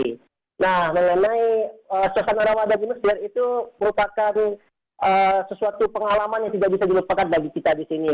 nah mengenai suasana ramadan di mesir itu merupakan sesuatu pengalaman yang tidak bisa dilupakan bagi kita di sini